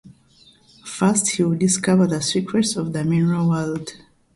First, He will discover the secrets of the mineral world.